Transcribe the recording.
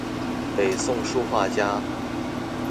北宋書畫家